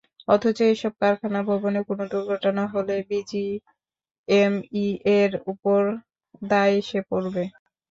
অথচ এসব কারখানা ভবনে কোনো দুর্ঘটনা হলে বিজিএমইএর ওপর দায় এসে পড়বে।